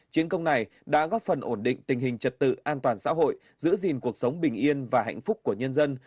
chiến công này đã góp phần ổn định tình hình trật tự an toàn xã hội giữ gìn cuộc sống bình yên và hạnh phúc của nhân dân